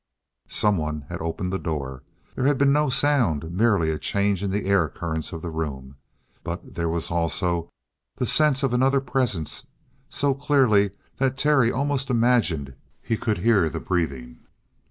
Someone had opened the door. There had been no sound; merely a change in the air currents of the room, but there was also the sense of another presence so clearly that Terry almost imagined he could hear the breathing.